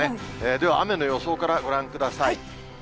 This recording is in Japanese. では雨の予想からご覧ください。